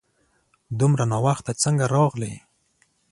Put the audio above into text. دومره ناوخته څنګه راغلې ؟